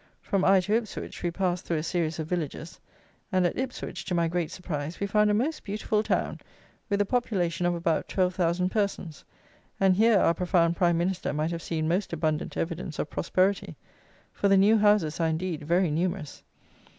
From Eye to Ipswich, we pass through a series of villages, and at Ipswich, to my great surprise, we found a most beautiful town, with a population of about twelve thousand persons; and here our profound Prime Minister might have seen most abundant evidence of prosperity; for the new houses are, indeed, very numerous.